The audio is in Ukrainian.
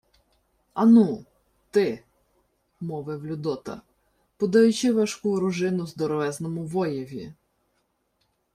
— Ану, ти, — мовив Людота, подаючи важку оружину здоровезному воєві.